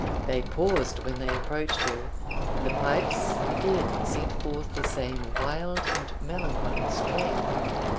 They paused when they approached her, and the pipes again sent forth the same wild and melancholy strain.